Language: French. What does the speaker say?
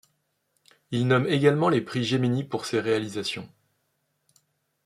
Il nomme également les Prix Gemini pour ses réalisations.